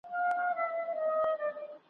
ناپوه دومره په بل نه کوي لکه په ځان `